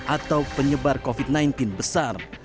atau penyebar covid sembilan belas besar